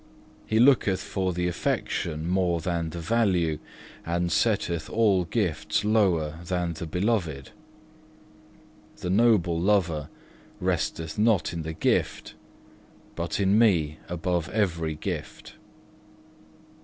He looketh for the affection more than the value, and setteth all gifts lower than the Beloved. The noble lover resteth not in the gift, but in Me above every gift.